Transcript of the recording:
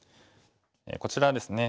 こちらですね